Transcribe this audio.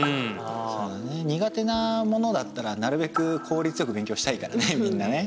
そうだね苦手なものだったらなるべくこうりつよく勉強したいからねみんなね。